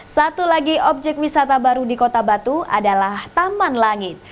satu lagi objek wisata baru di kota batu adalah taman langit